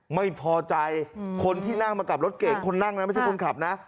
ไม่พอใจคนที่นั่งมากับรถเก่งคนนั่งนะไม่ใช่คนขับนะ